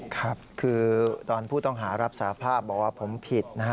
ครับคือตอนผู้ต้องหารับสาภาพบอกว่าผมผิดนะฮะ